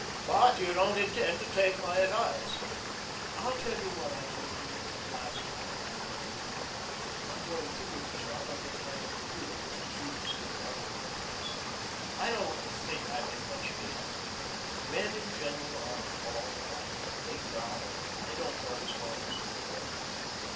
"But you don't intend to take my advice?" "I'll tell you what I told you last time when you warned me. I'm going through with the job I've been hired to do, just as you would stick it out in my place. I don't think I'm in much danger. Men in general are law abiding. They growl, but they don't go as far as murder."